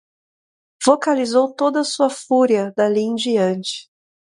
Vocalizou toda a sua fúria dali em diante